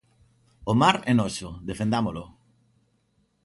O mar é noso defendámolo.